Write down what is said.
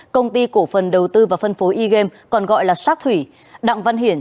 công ty cổ phần đầu tư và phân phối e game còn gọi là sác thủy đặng văn hiển